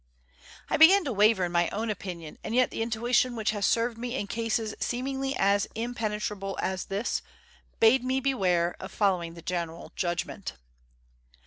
I began to waver in my own opinion, and yet the intuition which has served me in cases seemingly as impenetrable as this bade me beware of following the general judgment.